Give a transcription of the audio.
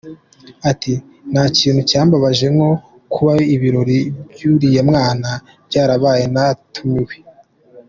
Ati “Nta kintu cyambabaje nko kuba ibirori by’uriya mwana byarabaye ntatumiwe.